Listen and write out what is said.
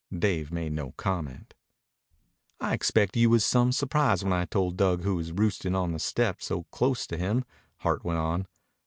Dave made no comment. "I expect you was some surprised when I told Dug who was roostin' on the step so clost to him," Hart went on.